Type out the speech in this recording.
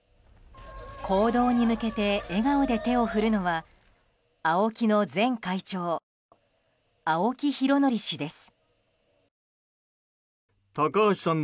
公道に向けて笑顔で手を振るのはＡＯＫＩの前会長青木拡憲氏です。